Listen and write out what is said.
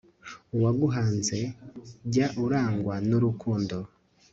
uwaguhanze, jya urangwa n'urukundo